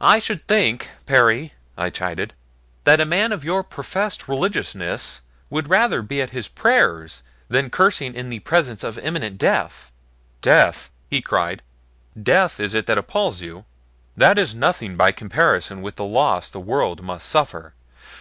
"I should think, Perry," I chided, "that a man of your professed religiousness would rather be at his prayers than cursing in the presence of imminent death." "Death!" he cried. "Death is it that appalls you? That is nothing by comparison with the loss the world must suffer.